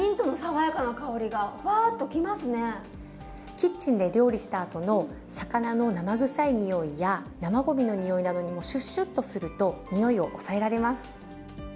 キッチンで料理したあとの魚の生臭い臭いや生ごみの臭いなどにもシュッシュッとすると臭いを抑えられます。